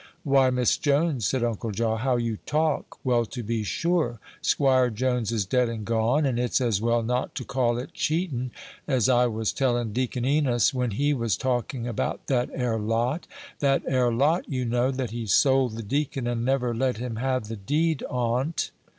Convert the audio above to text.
"Why, Miss Jones," said Uncle Jaw, "how you talk! Well, to be sure, 'Squire Jones is dead and gone, and it's as well not to call it cheatin', as I was tellin' Deacon Enos when he was talking about that 'ere lot that 'ere lot, you know, that he sold the deacon, and never let him have the deed on't."